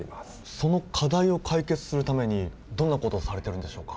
その課題を解決するためにどんなことをされてるんでしょうか？